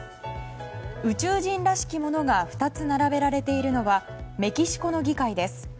宇宙人らしきものが２つ並べられているのはメキシコの議会です。